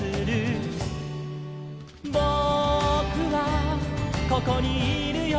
「ぼくはここにいるよ」